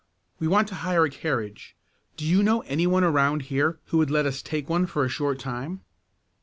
We want to hire a carriage. Do you know any one around here who would let us take one for a short time?"